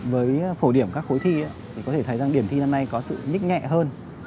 với phổ điểm các khối thi thì có thể thấy rằng điểm thi năm nay có sự nhích nhẹ hơn